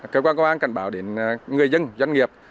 cơ quan công an cảnh báo đến người dân doanh nghiệp